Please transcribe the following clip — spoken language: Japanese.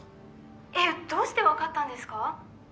えどうして分かったんですか！？